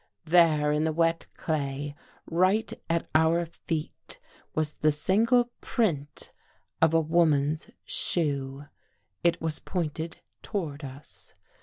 There, in the wet clay, right at our feet, was the single print of a woman's shoe. It was pointed toward us.